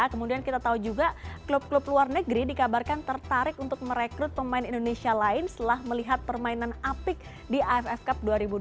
kemudian kita tahu juga klub klub luar negeri dikabarkan tertarik untuk merekrut pemain indonesia lain setelah melihat permainan apik di aff cup dua ribu dua puluh